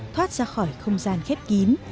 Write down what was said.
thoát ra khỏi không gian khép kín